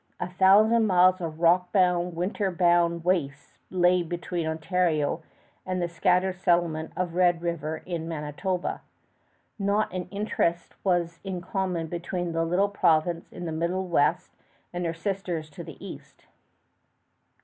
A thousand miles of rock bound, winter bound wastes lay between Ontario and the scattered settlement of Red River in Manitoba. Not an interest was in common between the little province of the middle west and her sisters to the east.